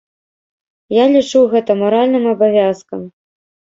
Я лічу гэта маральным абавязкам.